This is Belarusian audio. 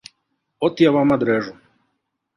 От я вам адрэжу.